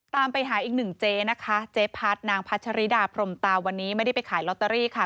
ตามไปหาอีกหนึ่งเจ๊นะคะเจ๊พัดนางพัชริดาพรมตาวันนี้ไม่ได้ไปขายลอตเตอรี่ค่ะ